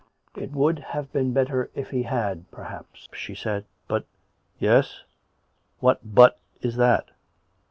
" It would have been better if he had, perhaps," she said. " But "" Yes? What ' But ' is that.?